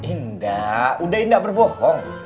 indah udah indah berbohong